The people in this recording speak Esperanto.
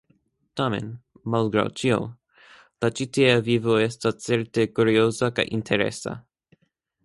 Tamen, malgraŭ ĉio, la ĉitiea vivo estas certe kurioza kaj interesa.